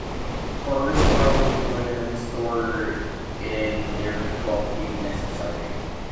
Birds swallow food and store it in their crop if necessary.